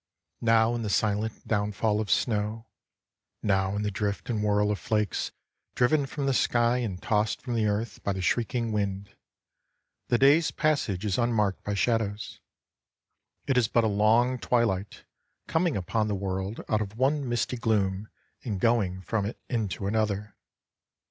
Now in the silent downfall of snow, now in the drift and whirl of flakes driven from the sky and tossed from the earth by the shrieking wind, the day's passage is unmarked by shadows. It is but a long twilight, coming upon the world out of one misty gloom, and going from it into another.